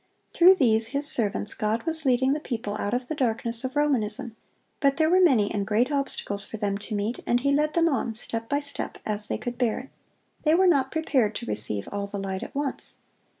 Through these, His servants, God was leading the people out of the darkness of Romanism; but there were many and great obstacles for them to meet, and He led them on, step by step, as they could bear it. They were not prepared to receive all the light at once.